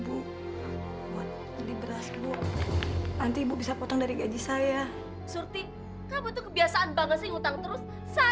onep managesa pengiriman siudara